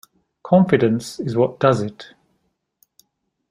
Confidence is what does it.